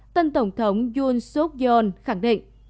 tân tổng thống yoon seok yoon khẳng định